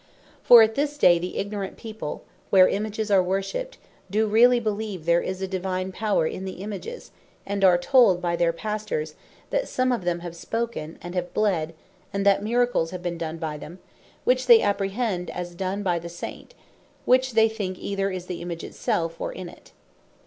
For at this day, the ignorant People, where Images are worshipped, doe really beleeve there is a Divine Power in the Images; and are told by their Pastors, that some of them have spoken; and have bled; and that miracles have been done by them; which they apprehend as done by the Saint, which they think either is the Image it self, or in it.